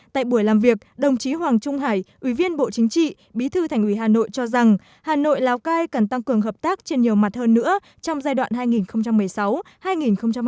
tại buổi làm việc đồng chí hoàng trung hải ủy viên bộ chính trị bí thư thành ủy hà nội cho rằng hà nội lào cai cần tăng cường hợp tác trên nhiều mặt hơn nữa trong giai đoạn hai nghìn một mươi sáu hai nghìn hai mươi